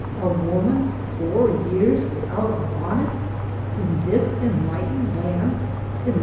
A woman four years without a bonnet I in this enlight ened land, in the.